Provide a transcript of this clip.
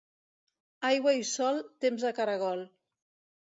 Aigua i sol, temps de caragol.